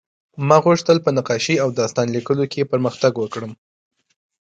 ما غوښتل په نقاشۍ او داستان لیکلو کې پرمختګ وکړم